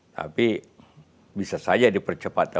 tapi bisa saja dipercepat